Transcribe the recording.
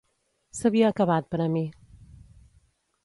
S'havia acabat per a mi.